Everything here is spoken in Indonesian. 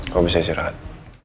kau bisa istirahat